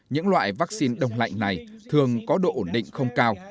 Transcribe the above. những loại vaccine đông lạnh này thường có độ ổn định không cao